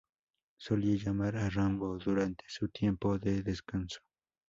Solía llamar a Rambo durante su tiempo de descanso.